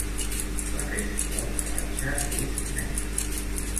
La resta del pelatge és negre.